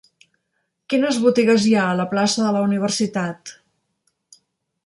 Quines botigues hi ha a la plaça de la Universitat?